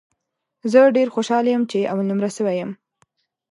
زه ډېر خوشاله یم ، چې اول نمره سوی یم